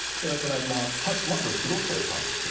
まず広末さんですが。